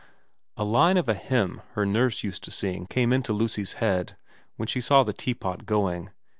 A line of a hymn her nurse used to sing came into Lucy's head when she saw the teapot going.